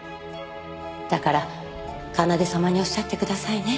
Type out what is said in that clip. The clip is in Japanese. だから奏様におっしゃってくださいね。